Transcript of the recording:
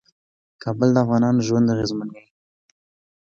کابل د افغانانو ژوند اغېزمن کوي.